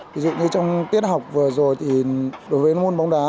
ví dụ như trong tiết học vừa rồi thì đối với môn bóng đá